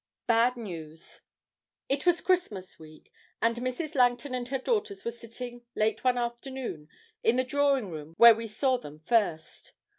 BAD NEWS. It was Christmas week, and Mrs. Langton and her daughters were sitting, late one afternoon, in the drawing room where we saw them first.